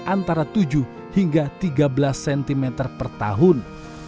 antara tujuh hingga tiga belas cm per tahun